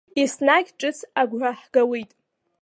Еснагь ҿыц агәра ҳгауеит.